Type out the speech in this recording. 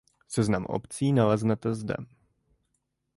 Seznam obcí naleznete zde.